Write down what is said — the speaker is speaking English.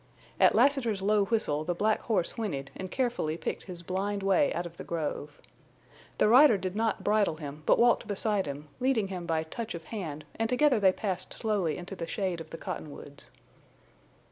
At Lassiter's low whistle the black horse whinnied, and carefully picked his blind way out of the grove. The rider did not bridle him, but walked beside him, leading him by touch of hand and together they passed slowly into the shade of the cottonwoods.